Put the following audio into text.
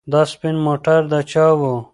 دا سپین موټر د چا و؟